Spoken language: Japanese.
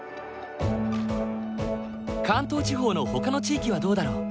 関東地方のほかの地域はどうだろう？